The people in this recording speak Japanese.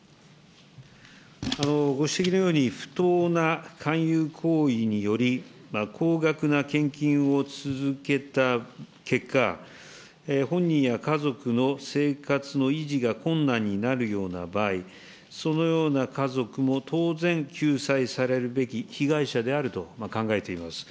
ご指摘のように、不当な勧誘行為により、高額な献金を続けた結果、本人や家族の生活の維持が困難になるような場合、そのような家族も当然、救済されるべき被害者であると考えています。